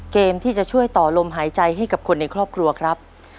เกมที่จะช่วยต่อลมหายใจให้กับคนในครอบครัวครับ